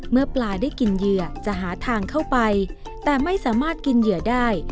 เมื่อปลาได้กินเหยื่อจะหาทางเข้าไปแต่ไม่สามารถกินเหยื่อได้